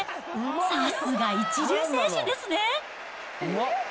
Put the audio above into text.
さすが一流選手ですね。